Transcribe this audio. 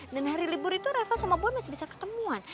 dan hari libur itu reva sama boy masih bisa ketemuan